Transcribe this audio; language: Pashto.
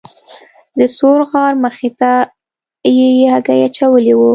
د ثور غار مخې ته یې هګۍ اچولې وه.